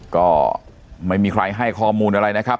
ก็ไม่มีใครให้ข้อมูลอะไรนะครับ